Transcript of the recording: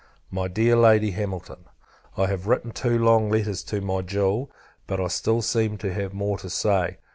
MY DEAR LADY HAMILTON, I have written two long letters to my jewel, but I still seem to have more to say.